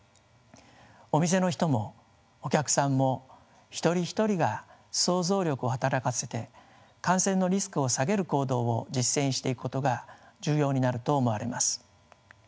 お店の人もお客さんも一人一人が想像力を働かせて感染のリスクを下げる行動を実践していくことが重要になると思われます。